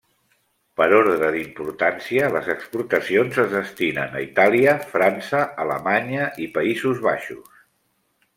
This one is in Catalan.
Per ordre d'importància, les exportacions es destinen a Itàlia, França, Alemanya i Països Baixos.